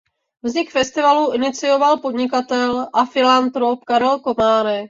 Vznik festivalu inicioval podnikatel a filantrop Karel Komárek.